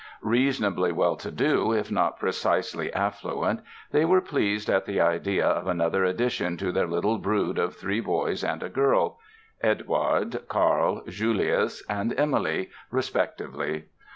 Reasonably well to do if not precisely affluent they were pleased at the idea of another addition to their little brood of three boys and a girl—Eduard, Karl, Julius and Emilie, respectively.